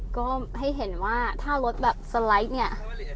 ก็ให้เห็นว่าถ้ารถแบบสไลด์เนี่ย